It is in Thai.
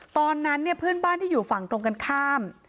ตอนนั้นเนี่ยเพื่อนบ้านที่อยู่ฝั่งตรงกันข้าม